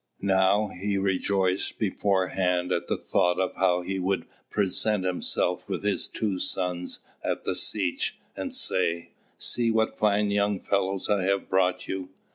Now he rejoiced beforehand at the thought of how he would present himself with his two sons at the Setch, and say, "See what fine young fellows I have brought you!"